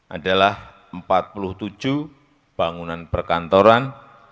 adalah empat puluh tujuh bangunan perkantoran